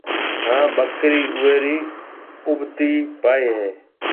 هانَ ٻڪري اوي ري اُوڀتي پاهيَ هيَ۔